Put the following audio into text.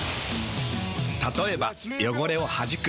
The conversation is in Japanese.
たとえば汚れをはじく。